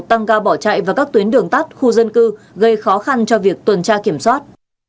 tăng ga bỏ chạy vào các tuyến đường tắt khu dân cư gây khó khăn cho việc tuần tra kiểm soát